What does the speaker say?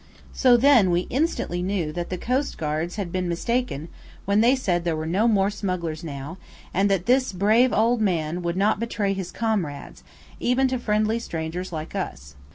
So then we instantly knew that the coastguards had been mistaken when they said there were no more smugglers now, and that this brave old man would not betray his comrades, even to friendly strangers like us.